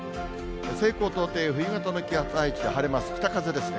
西高東低、冬型の気圧配置で晴れます、北風ですね。